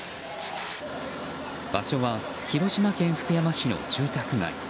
場所は広島県福山市の住宅街。